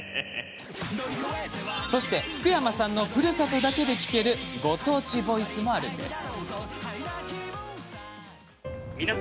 そして、福山さんのふるさとだけで聞けるご当地ボイスもあるんです。